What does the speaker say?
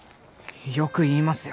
よく言いますよ。